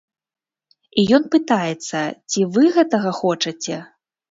І ён пытаецца, ці вы гэтага хочаце?